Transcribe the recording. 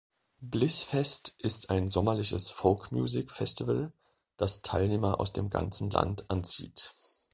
Blissfest ist ein sommerliches Folk Music-Festival, das Teilnehmer aus dem ganzen Land anzieht.